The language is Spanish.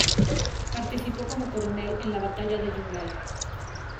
Participó como coronel en la Batalla de Yungay.